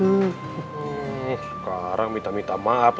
sekarang minta minta maaf